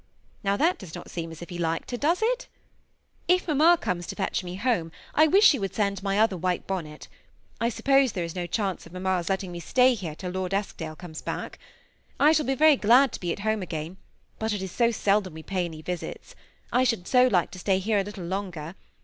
Now that does not seem as if he liked her ; does it ? If mamma comes to fetch me home, I wish you would send my other white bonnet I suppose there is no chance of mamma's letting me stay here till Lady Eskdale comes back. I shall be very glad to be at home again ; but it is so seldom we pay any visits, I should like to stay here a little longer.